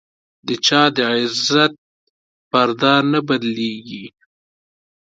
د چا د عزت پرده نه بدلېږي.